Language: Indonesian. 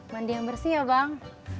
mandi yang bersih ya bang